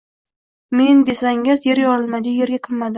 Men desangiz, yer yorilmadi-yu, yerga kirmadim…